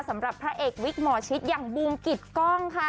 สำหรับพระเอกวิกหมอชิตอย่างบูมกิจกล้องค่ะ